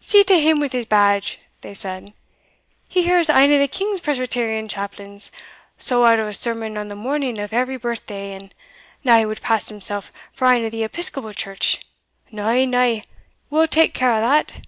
"See to him wi' his badge!" they said; "he hears ane o' the king's Presbyterian chaplains sough out a sermon on the morning of every birth day, and now he would pass himsell for ane o' the Episcopal church! Na, na! we'll take care o' that."